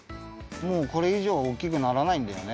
もうこれいじょうおおきくならないんだよね。